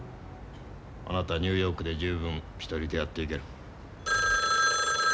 あなたはニューヨークで十分一人でやっていける。